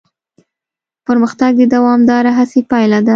پرمختګ د دوامداره هڅې پایله ده.